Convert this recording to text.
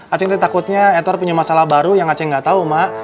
acing takutnya edward punya masalah baru yang acing nggak tau mak